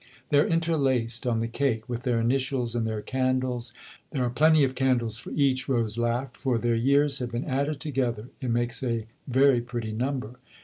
They're interlaced on the cake with their initials and their candles. There are plenty of candles for each," Rose laughed, " for their years have been added together. It makes a very pretty number